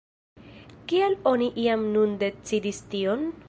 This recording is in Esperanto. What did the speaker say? Kial oni jam nun decidis tion?